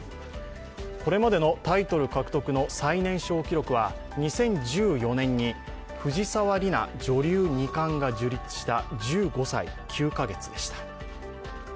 これまでのタイトル獲得の最年少記録は２０１４年に藤沢里菜女流二冠が樹立した１５歳９か月でした。